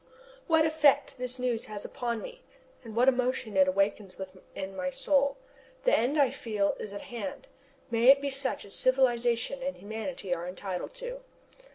What effect this news has upon me, and what emotion it awakens within my soul! The end, I feel, is at hand. May it be such as civilization and humanity are entitled to.